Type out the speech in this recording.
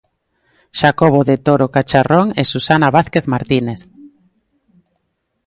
Xacobo de Toro Cacharrón e Susana Vázquez Martínez.